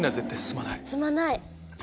住まない。